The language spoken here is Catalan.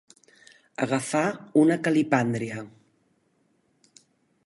Agafar una calipàndria.